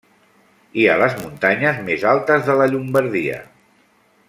Hi ha les muntanyes més altes de la Llombardia.